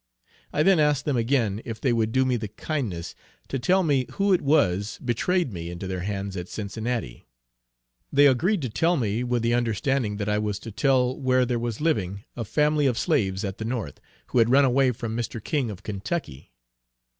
I then asked them again if they would do me the kindness to tell me who it was betrayed me into their hands at Cincinnati? They agreed to tell me with the understanding that I was to tell where there was living, a family of slaves at the North, who had run away from Mr. King of Kentucky.